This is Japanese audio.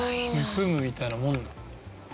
盗むみたいなもんだ。